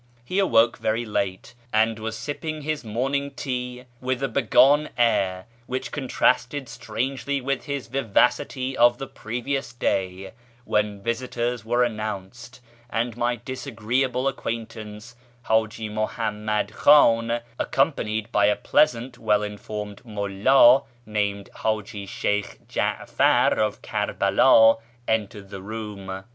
He awoke very late, and was sipping his morning tea with a woe KIRMAN society 481 begone air which contrasted strangely with his vivacity of the previous day, when visitors were announced, and my disagree able acquaintance, Haji Muhammad Khan, accomj^anied by a pleasant, well informed mulld named Haji Sheykh Ja'far of Kerbela, entered the room.